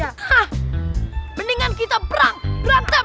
hah mendingan kita berantem